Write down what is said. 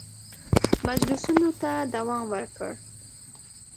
مجلسونو ته دوام ورکړ.